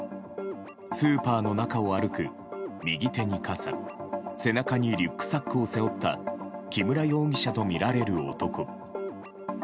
スーパーの中を歩く右手に傘背中にリュックサックを背負った木村容疑者とみられる男。